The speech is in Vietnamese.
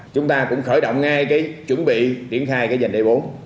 chúng ta cũng khởi động ngay cái chuẩn bị triển khai cái dành đại bốn